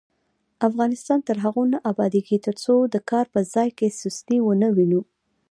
افغانستان تر هغو نه ابادیږي، ترڅو د کار په ځای کې سستي ونه وینو.